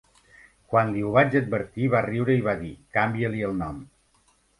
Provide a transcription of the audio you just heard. Quan li ho vaig advertir, va riure i va dir "Canvia-li el nom".